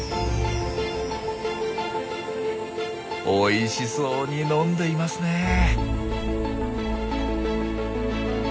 おいしそうに飲んでいますねえ。